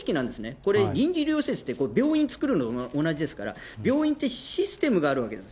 これ、臨時医療施設って、病院作るのと同じですから、病院ってシステムがあるわけなんです。